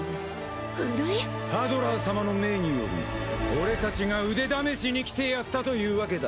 ハドラー様の命により俺たちが腕試しに来てやったというわけだ。